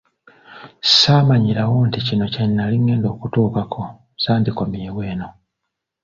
"Ssaamanyirawo nti kino kye nnali ngenda okutuukako, ssandikomyewo eno."